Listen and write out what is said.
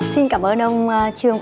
xin cảm ơn ông trương